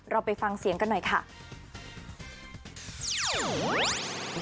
ไปฟังเสียงกันหน่อยค่ะ